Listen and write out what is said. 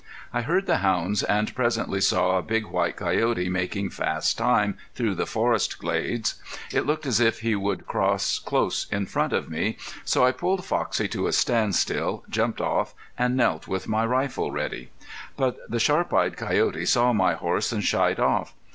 I heard the hounds and presently saw a big, white coyote making fast time through the forest glades. It looked as if he would cross close in front of me, so I pulled Foxie to a standstill, jumped off and knelt with my rifle ready. But the sharp eyed coyote saw my horse and shied off.